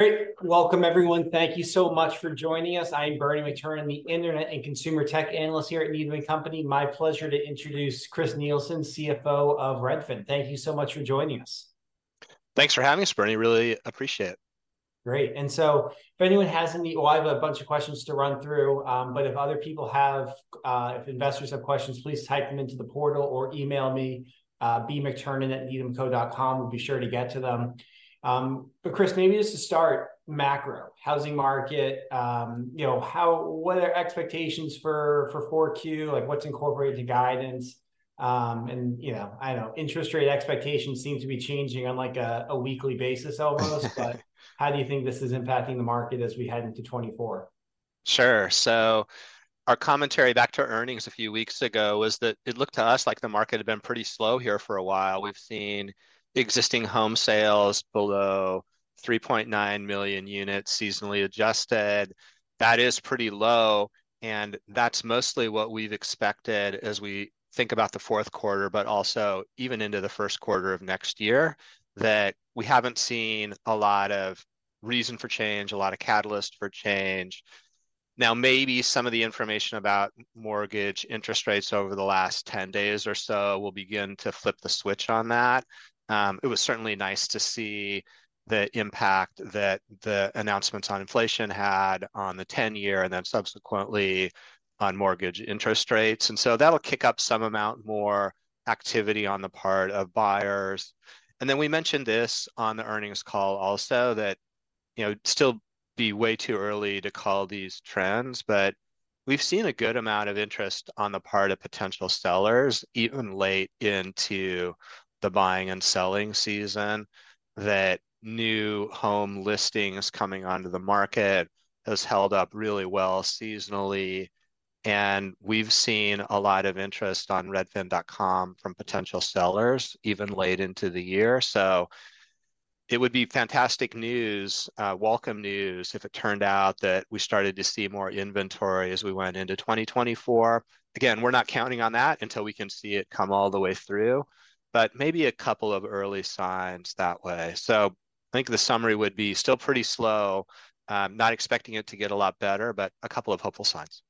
Great. Welcome, everyone. Thank you so much for joining us. I'm Bernie McTernan, the internet and consumer tech analyst here at Needham & Company. My pleasure to introduce Chris Nielsen, CFO of Redfin. Thank you so much for joining us. Thanks for having us, Bernie, really appreciate it. Great, and so if anyone has any, well, I have a bunch of questions to run through, but if investors have questions, please type them into the portal or email me, bmcternan@needhamco.com. We'll be sure to get to them. But Chris, maybe just to start macro, housing market, you know, what are expectations for 4Q? Like, what's incorporated to guidance? And, you know, I know interest rate expectations seem to be changing on a weekly basis almost, but how do you think this is impacting the market as we head into 2024? Sure. So our commentary back to earnings a few weeks ago was that it looked to us like the market had been pretty slow here for a while. We've seen existing home sales below 3.9 million units, seasonally adjusted. That is pretty low, and that's mostly what we've expected as we think about the fourth quarter, but also even into the first quarter of next year, that we haven't seen a lot of reason for change, a lot of catalyst for change. Now, maybe some of the information about mortgage interest rates over the last 10 days or so will begin to flip the switch on that. It was certainly nice to see the impact that the announcements on inflation had on the 10-year, and then subsequently on mortgage interest rates, and so that'll kick up some amount more activity on the part of buyers. And then we mentioned this on the earnings call also, that, you know, it'd still be way too early to call these trends, but we've seen a good amount of interest on the part of potential sellers, even late into the buying and selling season, that new home listings coming onto the market has held up really well seasonally. And we've seen a lot of interest on Redfin.com from potential sellers, even late into the year. So it would be fantastic news, welcome news, if it turned out that we started to see more inventory as we went into 2024. Again, we're not counting on that until we can see it come all the way through, but maybe a couple of early signs that way. So I think the summary would be still pretty slow. Not expecting it to get a lot better, but a couple of hopeful signs.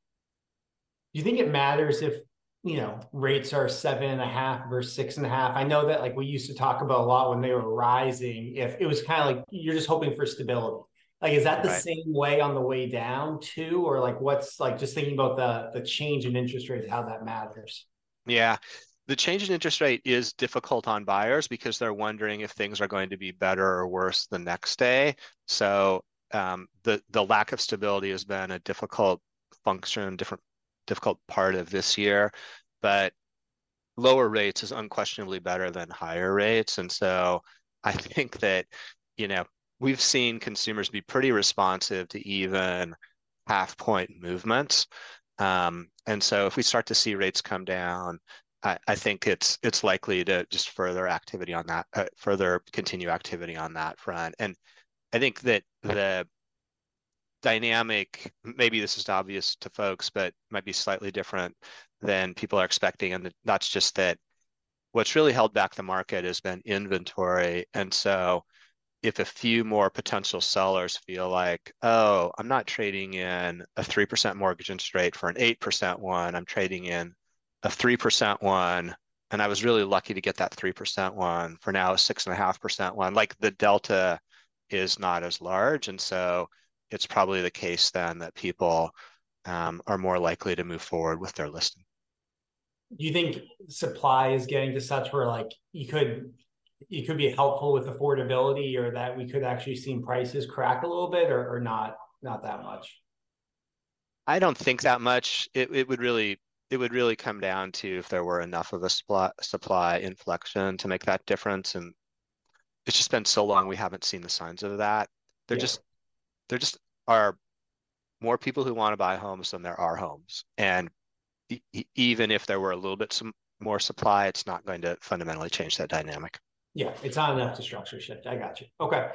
Do you think it matters if, you know, rates are 7.5 versus 6.5? I know that, like, we used to talk about a lot when they were rising, if it was kind of like you're just hoping for stability. Right. Like, is that the same way on the way down, too, or like, what's... Like, just thinking about the change in interest rates, how that matters? Yeah. The change in interest rate is difficult on buyers because they're wondering if things are going to be better or worse the next day. So, the lack of stability has been a difficult function, difficult part of this year. But lower rates is unquestionably better than higher rates, and so I think that, you know, we've seen consumers be pretty responsive to even half-point movements. And so if we start to see rates come down, I think it's likely to just further activity on that further continue activity on that front. And I think that the dynamic, maybe this is obvious to folks, but might be slightly different than people are expecting, and that's just that what's really held back the market has been inventory. So if a few more potential sellers feel like: "Oh, I'm not trading in a 3% mortgage interest rate for an 8% one. I'm trading in a 3% one, and I was really lucky to get that 3% one. For now, a 6.5% one," like, the delta is not as large, and so it's probably the case then that people are more likely to move forward with their listing. Do you think supply is getting to such where, like, you could- it could be helpful with affordability or that we could actually see prices crack a little bit or, or not, not that much? I don't think that much. It would really come down to if there were enough of a supply inflection to make that difference, and it's just been so long, we haven't seen the signs of that. Yeah. There just are more people who want to buy homes than there are homes, and even if there were a little bit, some more supply, it's not going to fundamentally change that dynamic. Yeah, it's not enough to structure shift. I got you. Okay,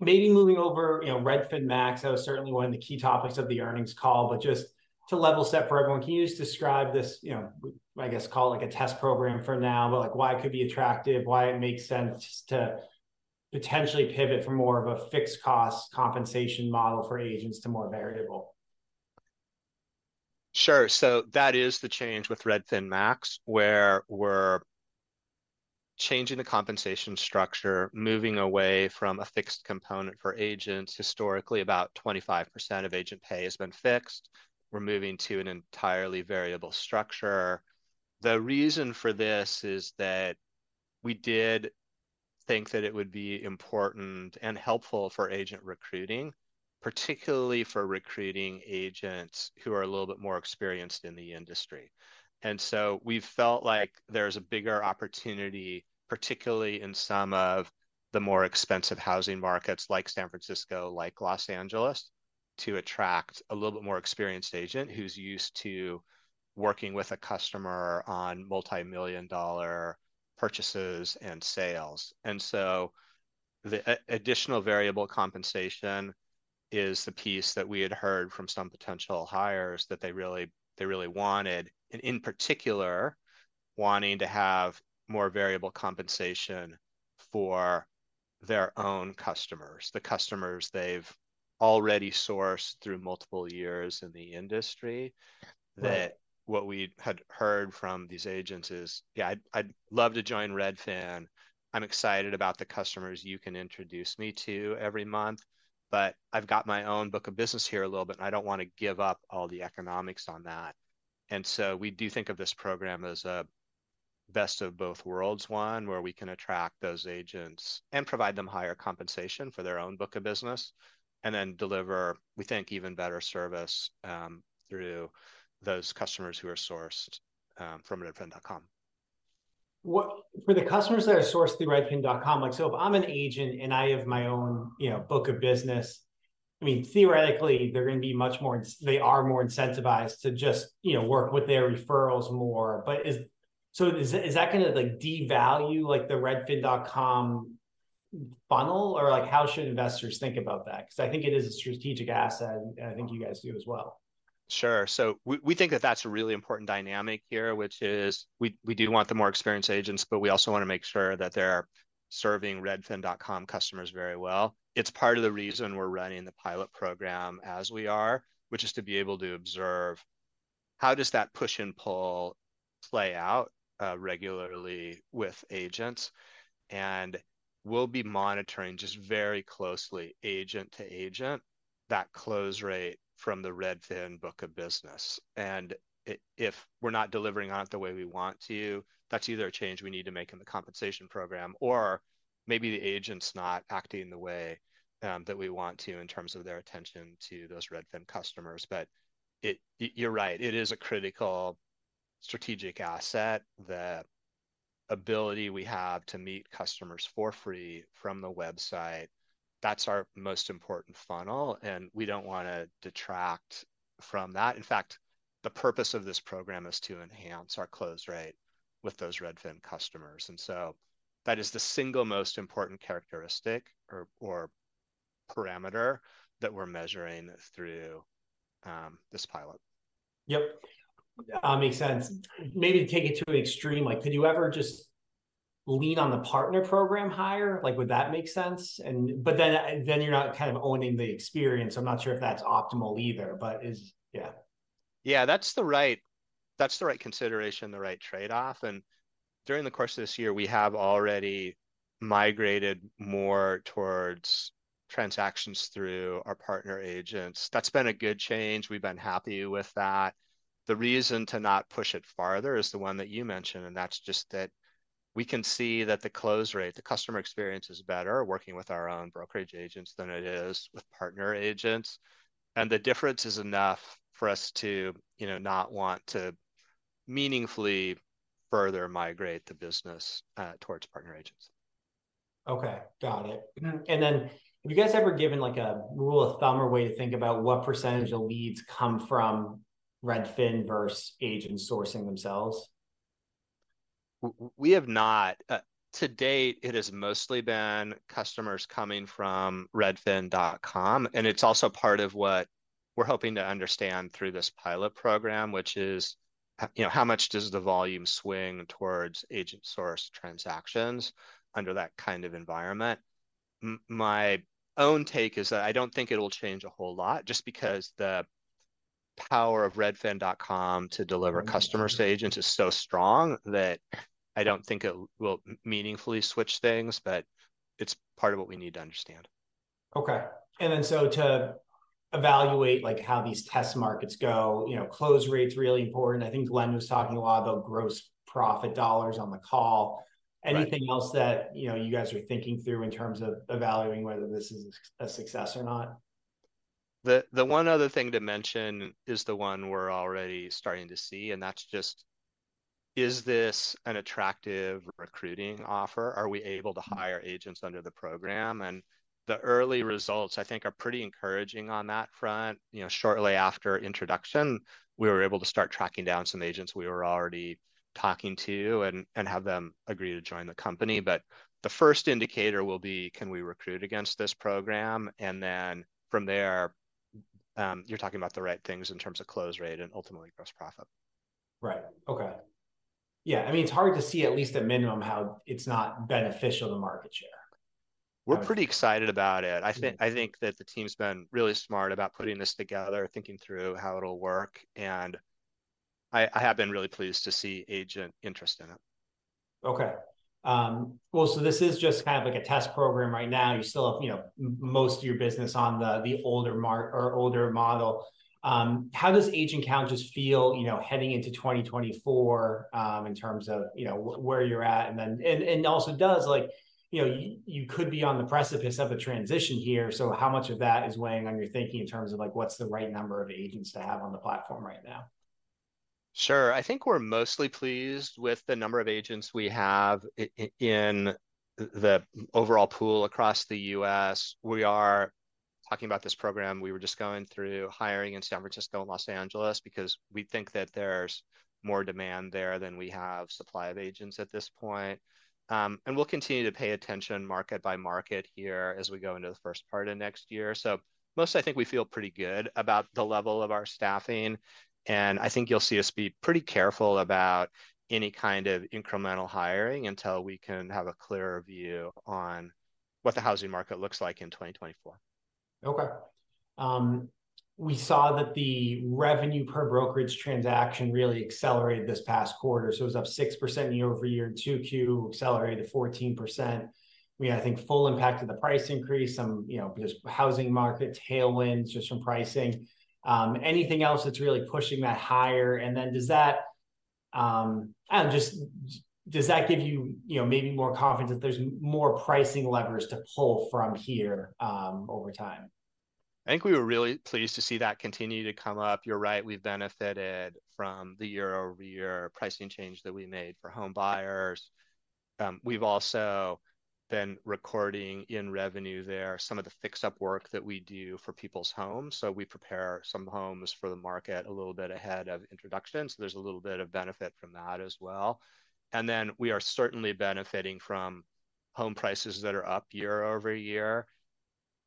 maybe moving over, you know, Redfin Max, that was certainly one of the key topics of the earnings call. But just to level set for everyone, can you just describe this, you know, I guess call it, like, a test program for now, but like, why it could be attractive, why it makes sense just to potentially pivot from more of a fixed cost compensation model for agents to more variable? Sure. So that is the change with Redfin Max, where we're changing the compensation structure, moving away from a fixed component for agents. Historically, about 25% of agent pay has been fixed. We're moving to an entirely variable structure. The reason for this is that we did think that it would be important and helpful for agent recruiting, particularly for recruiting agents who are a little bit more experienced in the industry. And so we felt like there's a bigger opportunity, particularly in some of the more expensive housing markets, like San Francisco, like Los Angeles, to attract a little bit more experienced agent who's used to working with a customer on multimillion-dollar purchases and sales. And so the additional variable compensation. is the piece that we had heard from some potential hires that they really, they really wanted, and in particular, wanting to have more variable compensation for their own customers, the customers they've already sourced through multiple years in the industry. Right. That's what we had heard from these agents is, "Yeah, I'd love to join Redfin. I'm excited about the customers you can introduce me to every month, but I've got my own book of business here a little bit, and I don't wanna give up all the economics on that." And so we do think of this program as a best of both worlds one, where we can attract those agents and provide them higher compensation for their own book of business, and then deliver, we think, even better service through those customers who are sourced from Redfin.com. For the customers that are sourced through Redfin.com, like, so if I'm an agent and I have my own, you know, book of business, I mean, theoretically, they're gonna be much more incentivized to just, you know, work with their referrals more. But is that gonna, like, devalue, like, the Redfin.com funnel, or, like, how should investors think about that? 'Cause I think it is a strategic asset, and I think you guys do as well. Sure. So we think that that's a really important dynamic here, which is, we do want the more experienced agents, but we also wanna make sure that they're serving Redfin.com customers very well. It's part of the reason we're running the pilot program as we are, which is to be able to observe how does that push and pull play out regularly with agents. And we'll be monitoring just very closely, agent to agent, that close rate from the Redfin book of business. And if we're not delivering on it the way we want to, that's either a change we need to make in the compensation program, or maybe the agent's not acting the way that we want to in terms of their attention to those Redfin customers. You're right, it is a critical strategic asset, the ability we have to meet customers for free from the website. That's our most important funnel, and we don't wanna detract from that. In fact, the purpose of this program is to enhance our close rate with those Redfin customers. And so that is the single most important characteristic or parameter that we're measuring through this pilot. Yep. Makes sense. Maybe take it to an extreme, like, could you ever just lean on the partner program higher? Like, would that make sense? But then you're not kind of owning the experience. I'm not sure if that's optimal either. But yeah. Yeah, that's the right, that's the right consideration, the right trade-off, and during the course of this year, we have already migrated more towards transactions through our partner agents. That's been a good change. We've been happy with that. The reason to not push it farther is the one that you mentioned, and that's just that we can see that the close rate, the customer experience, is better working with our own brokerage agents than it is with partner agents. And the difference is enough for us to, you know, not want to meaningfully further migrate the business towards partner agents. Okay, got it. And then have you guys ever given, like, a rule of thumb or way to think about what percentage of leads come from Redfin versus agents sourcing themselves? We have not. To date, it has mostly been customers coming from Redfin.com, and it's also part of what we're hoping to understand through this pilot program, which is, you know, how much does the volume swing towards agent-sourced transactions under that kind of environment? My own take is that I don't think it will change a whole lot, just because the power of Redfin.com to deliver- customers to agents is so strong that I don't think it will meaningfully switch things, but it's part of what we need to understand. Okay. To evaluate, like, how these test markets go, you know, close rate's really important. I think Glenn was talking a lot about gross profit dollars on the call. Right. Anything else that, you know, you guys are thinking through in terms of evaluating whether this is a success or not? The one other thing to mention is the one we're already starting to see, and that's just, is this an attractive recruiting offer? Are we able to hire agents under the program? And the early results, I think, are pretty encouraging on that front. You know, shortly after introduction, we were able to start tracking down some agents we were already talking to and have them agree to join the company. But the first indicator will be, can we recruit against this program? And then from there, you're talking about the right things in terms of close rate and, ultimately, gross profit. Right. Okay. Yeah, I mean, it's hard to see, at least at minimum, how it's not beneficial to market share. We're pretty excited about it. I think that the team's been really smart about putting this together, thinking through how it'll work, and I have been really pleased to see agent interest in it. Okay. Well, so this is just kind of like a test program right now. You still have, you know, most of your business on the older model. How does agent count just feel, you know, heading into 2024, in terms of, you know, where you're at? And then, and also does... Like, you know, you could be on the precipice of a transition here, so how much of that is weighing on your thinking in terms of, like, what's the right number of agents to have on the platform right now? Sure. I think we're mostly pleased with the number of agents we have in the overall pool across the U.S. We are talking about this program, we were just going through hiring in San Francisco and Los Angeles, because we think that there's more demand there than we have supply of agents at this point. And we'll continue to pay attention market by market here as we go into the first part of next year. So mostly, I think we feel pretty good about the level of our staffing, and I think you'll see us be pretty careful about any kind of incremental hiring until we can have a clearer view on what the housing market looks like in 2024. Okay. We saw that the revenue per brokerage transaction really accelerated this past quarter, so it was up 6% year-over-year, in 2Q accelerated 14%. We had, I think, full impact of the price increase, some, you know, just housing market tailwinds just from pricing. Anything else that's really pushing that higher? And then does that, I don't know, does that give you, you know, maybe more confidence that there's more pricing levers to pull from here, over time? I think we were really pleased to see that continue to come up. You're right, we've benefited from the year-over-year pricing change that we made for home buyers. We've also been recording in revenue there some of the fix-up work that we do for people's homes. So we prepare some homes for the market a little bit ahead of introduction, so there's a little bit of benefit from that as well. And then we are certainly benefiting from home prices that are up year-over-year.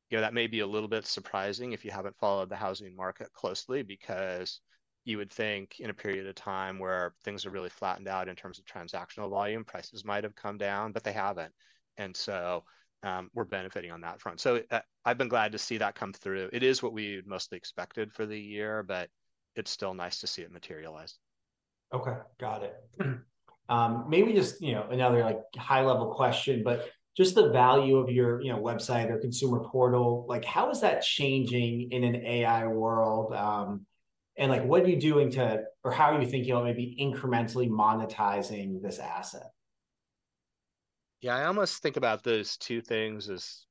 You know, that may be a little bit surprising if you haven't followed the housing market closely, because you would think in a period of time where things are really flattened out in terms of transactional volume, prices might have come down, but they haven't, and so, we're benefiting on that front. So, I've been glad to see that come through. It is what we had mostly expected for the year, but it's still nice to see it materialize. Okay, got it. Maybe just, you know, another, like, high-level question, but just the value of your, you know, website or consumer portal, like, how is that changing in an AI world? And like, what are you doing to... or how are you thinking about maybe incrementally monetizing this asset? Yeah, I almost think about those two things as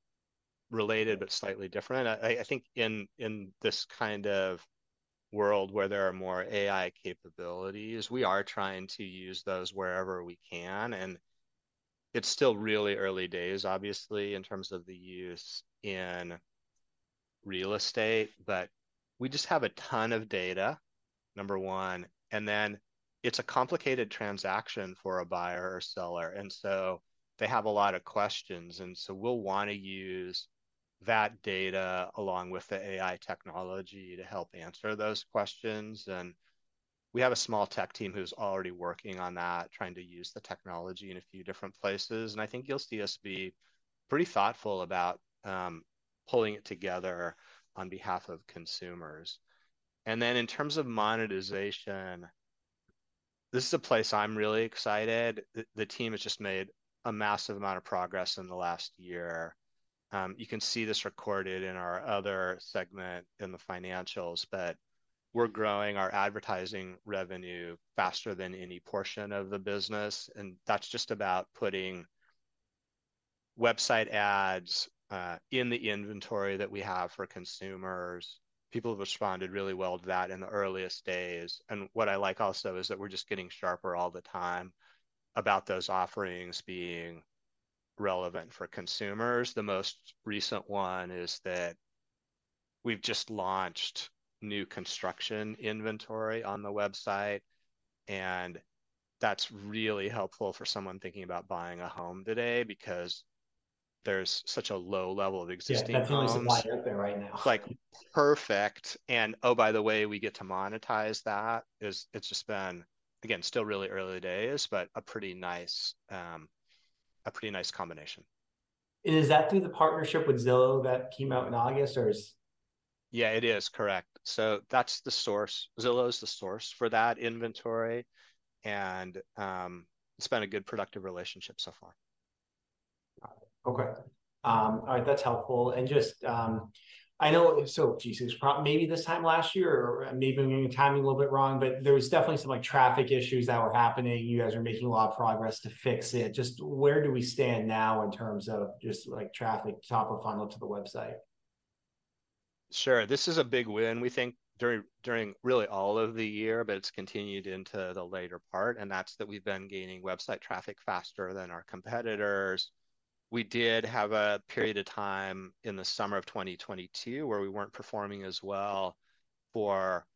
related, but slightly different. I think in this kind of world where there are more AI capabilities, we are trying to use those wherever we can, and it's still really early days, obviously, in terms of the use in real estate. But we just have a ton of data, number one, and then it's a complicated transaction for a buyer or seller, and so they have a lot of questions. And so we'll wanna use that data along with the AI technology to help answer those questions. And we have a small tech team who's already working on that, trying to use the technology in a few different places, and I think you'll see us be pretty thoughtful about pulling it together on behalf of consumers. And then in terms of monetization, this is a place I'm really excited. The team has just made a massive amount of progress in the last year. You can see this recorded in our other segment in the financials, but we're growing our advertising revenue faster than any portion of the business, and that's just about putting website ads in the inventory that we have for consumers. People have responded really well to that in the earliest days. And what I like also is that we're just getting sharper all the time about those offerings being relevant for consumers. The most recent one is that we've just launched new construction inventory on the website, and that's really helpful for someone thinking about buying a home today, because there's such a low level of existing homes. Yeah, there's no supply out there right now. Like, perfect, and oh, by the way, we get to monetize that. It's, it's just been, again, still really early days, but a pretty nice, a pretty nice combination. Is that through the partnership with Zillow that came out in August, or is? Yeah, it is correct. So that's the source. Zillow is the source for that inventory, and it's been a good, productive relationship so far. Okay. All right, that's helpful. And just, I know... So jeez, it was maybe this time last year or maybe I'm getting the timing a little bit wrong, but there was definitely some, like, traffic issues that were happening. You guys are making a lot of progress to fix it. Just where do we stand now in terms of just, like, traffic top of funnel to the website? Sure. This is a big win, we think, during really all of the year, but it's continued into the later part, and that's that we've been gaining website traffic faster than our competitors. We did have a period of time in the summer of 2022 where we weren't performing as well for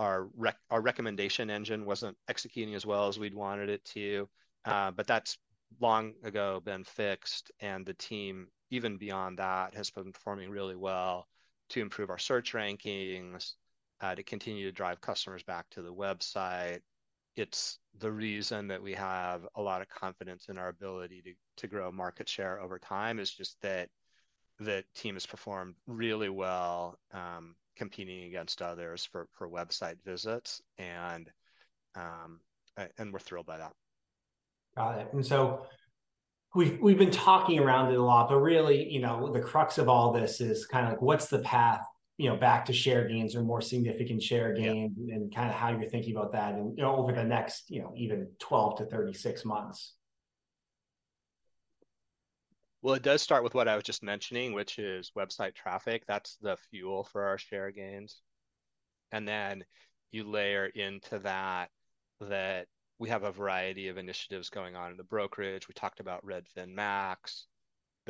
our our recommendation engine wasn't executing as well as we'd wanted it to. But that's long ago been fixed, and the team, even beyond that, has been performing really well to improve our search rankings, to continue to drive customers back to the website. It's the reason that we have a lot of confidence in our ability to grow market share over time, is just that the team has performed really well, competing against others for website visits, and and we're thrilled by that. Got it. And so we, we've been talking around it a lot, but really, you know, the crux of all this is kind of like, what's the path, you know, back to share gains or more significant share gain- Yeah and, kind of, how you're thinking about that and, you know, over the next, you know, even 12-36 months? Well, it does start with what I was just mentioning, which is website traffic. That's the fuel for our share gains, and then you layer into that, that we have a variety of initiatives going on in the brokerage. We talked about Redfin Max. There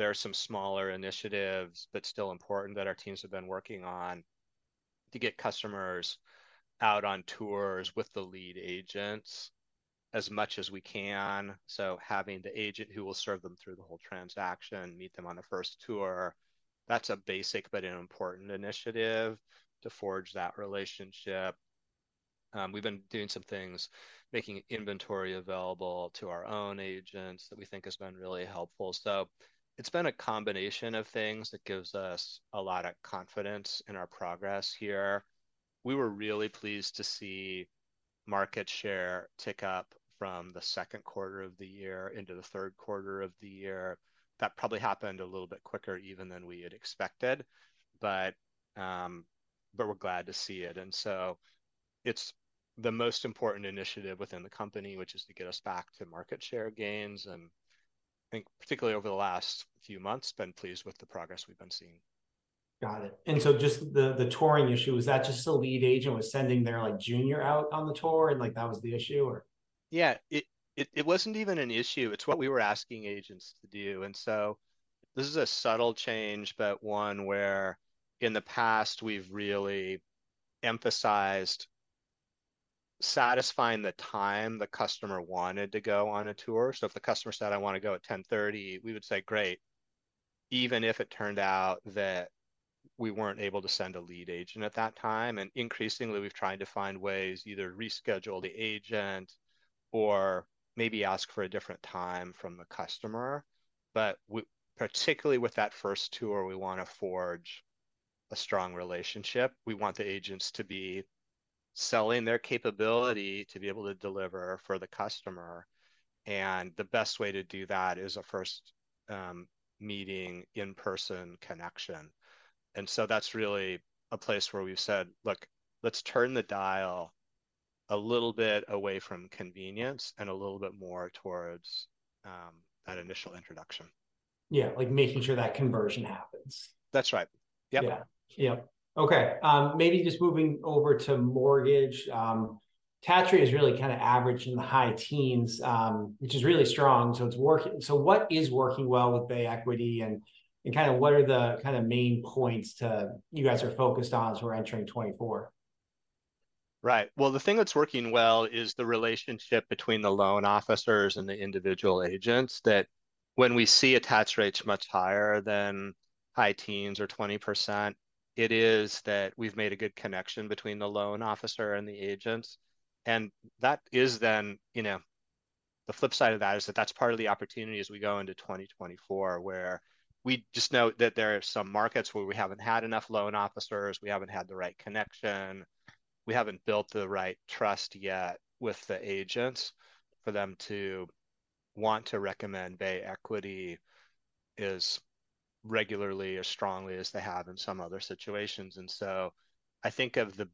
are some smaller initiatives, but still important, that our teams have been working on to get customers out on tours with the lead agents as much as we can. So having the agent who will serve them through the whole transaction meet them on a first tour, that's a basic but an important initiative to forge that relationship. We've been doing some things, making inventory available to our own agents, that we think has been really helpful. So it's been a combination of things that gives us a lot of confidence in our progress here. We were really pleased to see market share tick up from the second quarter of the year into the third quarter of the year. That probably happened a little bit quicker even than we had expected, but, but we're glad to see it. And so it's the most important initiative within the company, which is to get us back to market share gains, and I think particularly over the last few months, been pleased with the progress we've been seeing. Got it. And so just the touring issue, is that just the lead agent was sending their, like, junior out on the tour, and, like, that was the issue, or? Yeah. It wasn't even an issue. It's what we were asking agents to do. And so this is a subtle change, but one where in the past we've really emphasized satisfying the time the customer wanted to go on a tour. So if the customer said, "I wanna go at 10:30," we would say, "Great," even if it turned out that we weren't able to send a lead agent at that time. And increasingly, we've tried to find ways, either reschedule the agent or maybe ask for a different time from the customer. But particularly with that first tour, we wanna forge a strong relationship. We want the agents to be selling their capability to be able to deliver for the customer, and the best way to do that is a first meeting, in-person connection. And so that's really a place where we've said, "Look, let's turn the dial a little bit away from convenience and a little bit more towards that initial introduction. Yeah, like making sure that conversion happens. That's right. Yep. Yeah. Yep. Okay, maybe just moving over to mortgage, attach rate is really kind of average in the high teens, which is really strong, so it's working. So what is working well with Bay Equity, and kind of what are the kind of main points you guys are focused on as we're entering 2024? Right. Well, the thing that's working well is the relationship between the loan officers and the individual agents, that when we see attach rates much higher than high teens or 20%, it is that we've made a good connection between the loan officer and the agents. And that is then... You know, the flip side of that is that that's part of the opportunity as we go into 2024, where we just know that there are some markets where we haven't had enough loan officers, we haven't had the right connection, we haven't built the right trust yet with the agents for them to want to recommend Bay Equity as regularly or strongly as they have in some other situations. And so I think of the,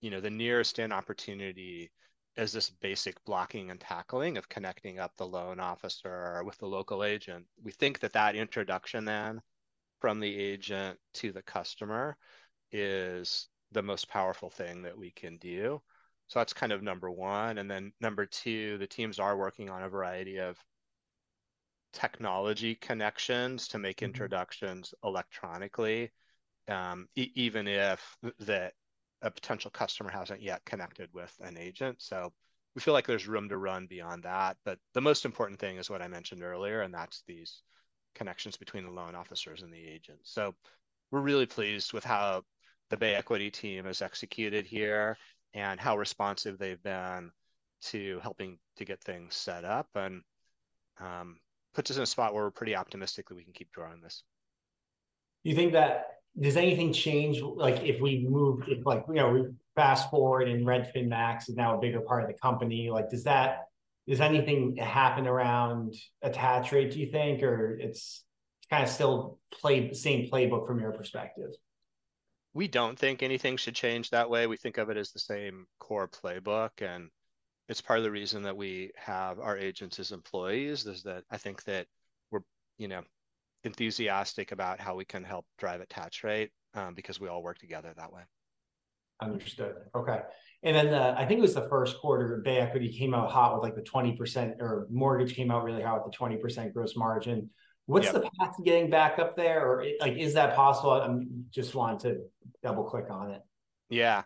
you know, the nearest in opportunity as this basic blocking and tackling, of connecting up the loan officer with the local agent. We think that that introduction then from the agent to the customer is the most powerful thing that we can do. So that's kind of number one. And then number two, the teams are working on a variety of technology connections to make introductions electronically, even if a potential customer hasn't yet connected with an agent. So we feel like there's room to run beyond that. But the most important thing is what I mentioned earlier, and that's these connections between the loan officers and the agents. So we're really pleased with how the Bay Equity team has executed here, and how responsive they've been to helping to get things set up. And, puts us in a spot where we're pretty optimistically we can keep growing this. Does anything change, like, if we moved, like, you know, we fast-forward and Redfin Max is now a bigger part of the company? Like, does anything happen around attach rate, do you think, or it's kind of still play the same playbook from your perspective? We don't think anything should change that way. We think of it as the same core playbook, and it's part of the reason that we have our agents as employees, is that I think that we're, you know, enthusiastic about how we can help drive attach rate, because we all work together that way. Understood. Okay. And then I think it was the first quarter, Bay Equity came out hot with, like, the 20%, or mortgage came out really hot with the 20% gross margin. Yeah. What's the path to getting back up there? Or, like, is that possible? I just wanted to double-click on it. Yeah.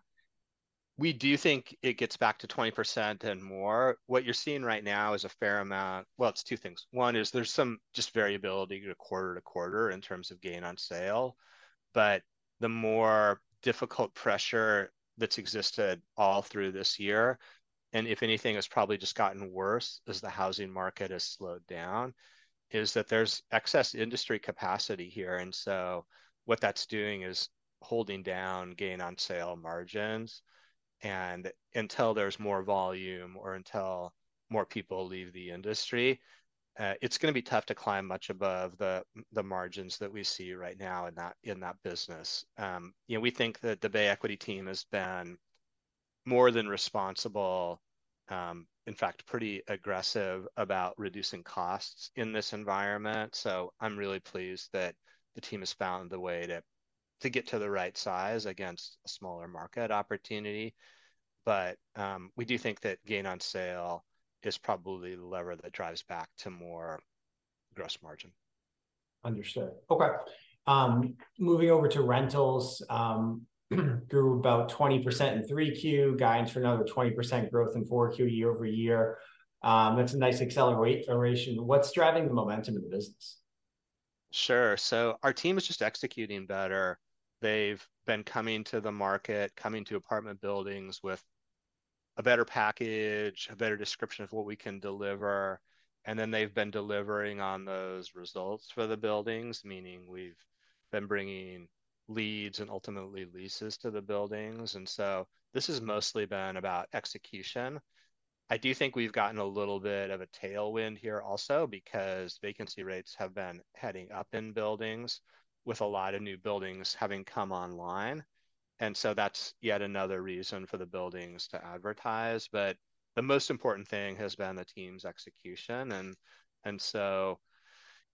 We do think it gets back to 20% and more. What you're seeing right now is a fair amount. Well, it's two things. One is there's some just variability quarter to quarter in terms of gain on sale. But the more difficult pressure that's existed all through this year, and if anything has probably just gotten worse as the housing market has slowed down, is that there's excess industry capacity here. And so what that's doing is holding down gain-on-sale margins. And until there's more volume or until more people leave the industry, it's gonna be tough to climb much above the margins that we see right now in that business. You know, we think that the Bay Equity team has been more than responsible, in fact, pretty aggressive about reducing costs in this environment. So I'm really pleased that the team has found the way to get to the right size against a smaller market opportunity. But, we do think that gain on sale is probably the lever that drives back to more gross margin. Understood. Okay, moving over to rentals, grew about 20% in 3Q, guidance for another 20% growth in 4Q year-over-year. That's a nice acceleration. What's driving the momentum in the business? Sure. So our team is just executing better. They've been coming to the market, coming to apartment buildings with a better package, a better description of what we can deliver, and then they've been delivering on those results for the buildings, meaning we've been bringing leads and ultimately leases to the buildings. And so this has mostly been about execution. I do think we've gotten a little bit of a tailwind here also, because vacancy rates have been heading up in buildings, with a lot of new buildings having come online. And so that's yet another reason for the buildings to advertise. But the most important thing has been the team's execution and so,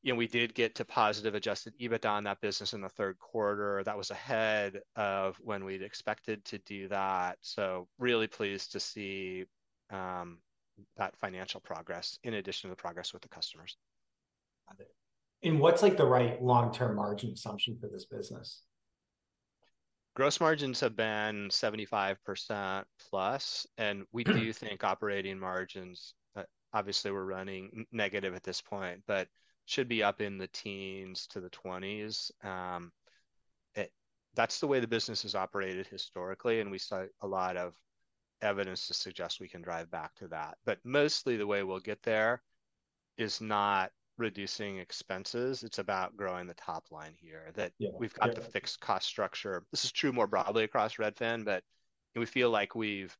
you know, we did get to positive Adjusted EBITDA on that business in the third quarter. That was ahead of when we'd expected to do that. Really pleased to see that financial progress in addition to the progress with the customers. What's, like, the right long-term margin assumption for this business? Gross margins have been 75%+, and we think operating margins, obviously we're running negative at this point, but should be up in the teens to the twenties. That's the way the business is operated historically, and we saw a lot of evidence to suggest we can drive back to that. But mostly the way we'll get there is not reducing expenses, it's about growing the top line here. Yeah. That we've got the fixed cost structure. This is true more broadly across Redfin, but we feel like we've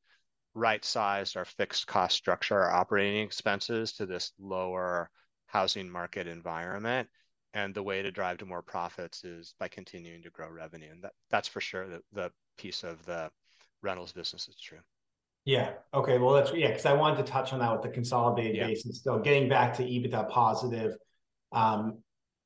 right-sized our fixed cost structure, our operating expenses, to this lower housing market environment, and the way to drive to more profits is by continuing to grow revenue. And that's for sure the piece of the rentals business is true. Yeah. Okay, well, that's... Yeah, 'cause I wanted to touch on that with the consolidated base- Yeah and still getting back to EBITDA positive.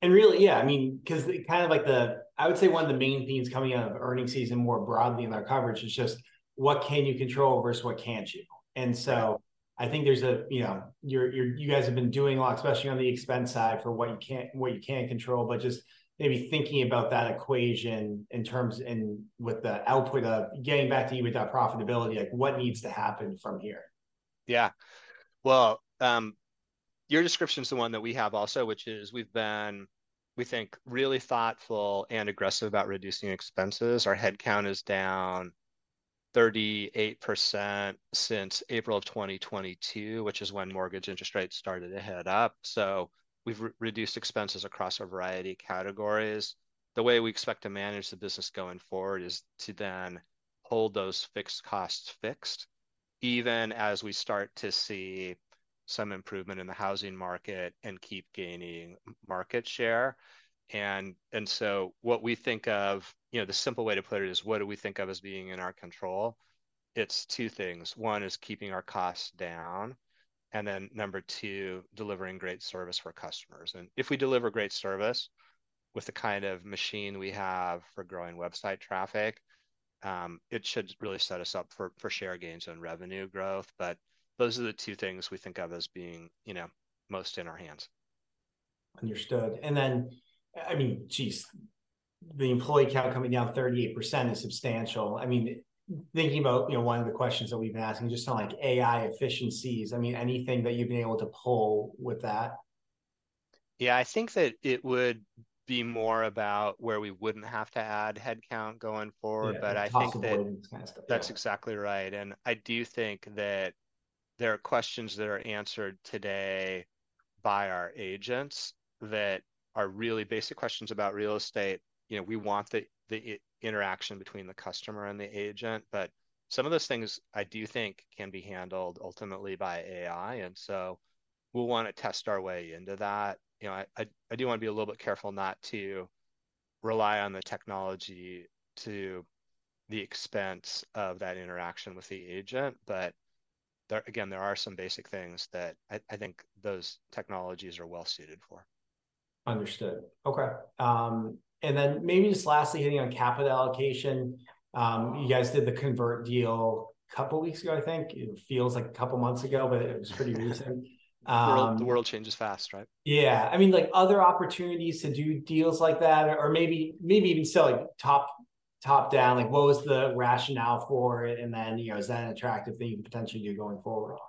And really, yeah, I mean, 'cause it kind of like the... I would say one of the main themes coming out of earnings season, more broadly in our coverage, is just what can you control versus what can't you? And so I think there's a, you know, you're you guys have been doing a lot, especially on the expense side, for what you can't control. But just maybe thinking about that equation in terms, in with the output of getting back to EBITDA profitability, like, what needs to happen from here? Yeah. Well, your description's the one that we have also, which is we've been, we think, really thoughtful and aggressive about reducing expenses. Our headcount is down 38% since April 2022, which is when mortgage interest rates started to head up. So we've reduced expenses across a variety of categories. The way we expect to manage the business going forward is to then hold those fixed costs fixed, even as we start to see some improvement in the housing market and keep gaining market share. And so what we think of... You know, the simple way to put it is what do we think of as being in our control? It's two things. One, is keeping our costs down, and then number two, delivering great service for customers. If we deliver great service with the kind of machine we have for growing website traffic, it should really set us up for share gains and revenue growth. But those are the two things we think of as being, you know, most in our hands. Understood. And then, I mean, geez, the employee count coming down 38% is substantial. I mean, thinking about, you know, one of the questions that we've been asking, just on, like, AI efficiencies, I mean, anything that you've been able to pull with that? Yeah, I think that it would be more about where we wouldn't have to add headcount going forward. Yeah. But I think that- Cost savings kind of stuff. That's exactly right, and I do think that there are questions that are answered today by our agents, that are really basic questions about real estate. You know, we want the interaction between the customer and the agent, but some of those things I do think can be handled ultimately by AI. And so we'll wanna test our way into that. You know, I do wanna be a little bit careful not to rely on the technology to the expense of that interaction with the agent. But there, again, there are some basic things that I think those technologies are well suited for. Understood. Okay, and then maybe just lastly, hitting on capital allocation. You guys did the convert deal a couple weeks ago, I think. It feels like a couple months ago, but it was pretty recent. The world, the world changes fast, right? Yeah. I mean, like, other opportunities to do deals like that, or maybe even so, like, top-down, like, what was the rationale for it? And then, you know, is that an attractive thing potentially you're going forward on?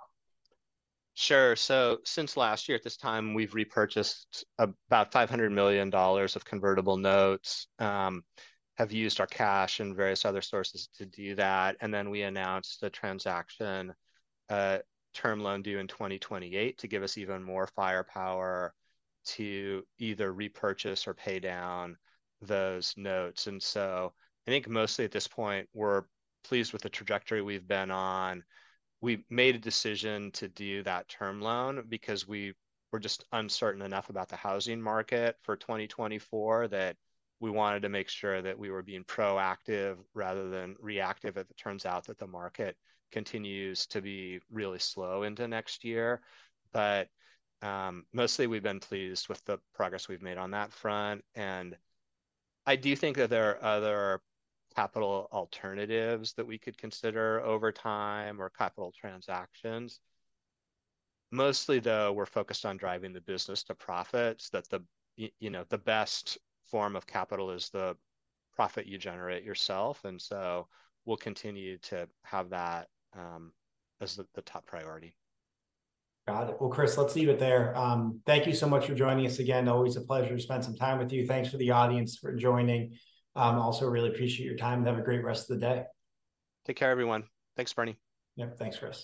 Sure. So since last year at this time, we've repurchased about $500 million of convertible notes, have used our cash and various other sources to do that, and then we announced the transaction, term loan due in 2028, to give us even more firepower to either repurchase or pay down those notes. So I think mostly at this point, we're pleased with the trajectory we've been on. We've made a decision to do that term loan because we were just uncertain enough about the housing market for 2024, that we wanted to make sure that we were being proactive rather than reactive, if it turns out that the market continues to be really slow into next year. But, mostly we've been pleased with the progress we've made on that front, and I do think that there are other capital alternatives that we could consider over time, or capital transactions. Mostly, though, we're focused on driving the business to profits, you know, the best form of capital is the profit you generate yourself. And so we'll continue to have that, as the top priority. Got it. Well, Chris, let's leave it there. Thank you so much for joining us again, always a pleasure to spend some time with you. Thanks for the audience for joining, also really appreciate your time, and have a great rest of the day. Take care, everyone. Thanks, Bernie. dfi. Yep. Thanks, Chris.